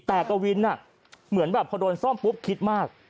แต่กวินเหมือนแบบพอโดนซ่อมปุ๊บคิดมาก